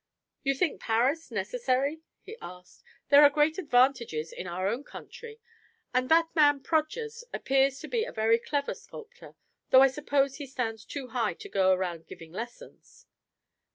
"You think Paris necessary?" he asked. "There are great advantages in our own country; and that man Prodgers appears to be a very clever sculptor, though I suppose he stands too high to go around giving lessons."